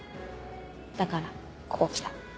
だからここ来た。